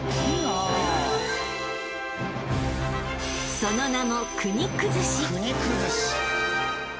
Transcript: ［その名も］